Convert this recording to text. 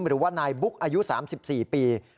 หรือว่านายบุ๊กอายุ๓๔ปี